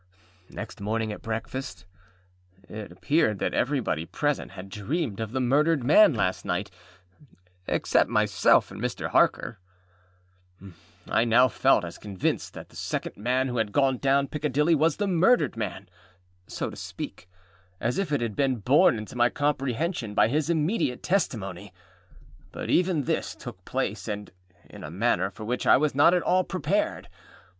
Next morning at breakfast, it appeared that everybody present had dreamed of the murdered man last night, except myself and Mr. Harker. I now felt as convinced that the second man who had gone down Piccadilly was the murdered man (so to speak), as if it had been borne into my comprehension by his immediate testimony. But even this took place, and in a manner for which I was not at all prepared.